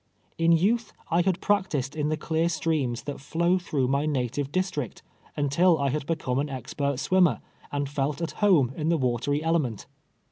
In youth I had practised in tlic clear streams that flow t]n c>ugh my native dis trict, nntil I had become an expert swimmer, and felt at home in the watery element.